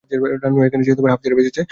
রানু এখানে এসে হাঁফ ছেড়ে বেঁচেছে।